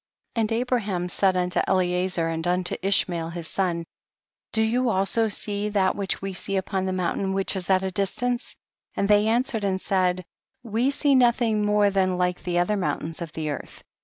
46. And Abraham said unto Eli ezer and unto Ishmael his son, do you also see that which we see up on the mountain which is at a dis tance ? 47. And they answered and said, we see nothing more than like the other mountains of the earth.